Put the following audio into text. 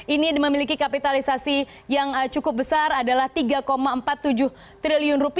ini memiliki kapitalisasi yang cukup besar adalah rp tiga empat puluh tujuh triliun